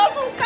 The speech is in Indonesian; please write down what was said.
lo gak suka